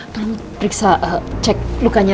tolong periksa cek lukanya reina ya